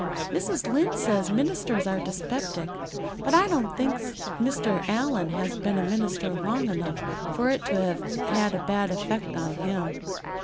Mrs. Lynde says ministers are dyspeptic, but I don't think Mr. Allan has been a minister long enough for it to have had a bad effect on him.